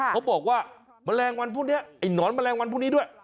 เขาบอกว่าแมลงวันพวกนี้ไอ้หนอนแมลงวันพรุ่งนี้ด้วย